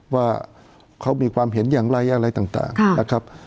ว่าเขามีความเห็นอย่างไรอะไรต่างนะครับ